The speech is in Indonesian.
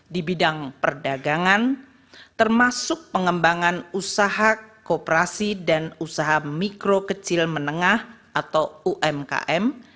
di bidang perdagangan termasuk pengembangan usaha kooperasi dan usaha mikro kecil menengah atau umkm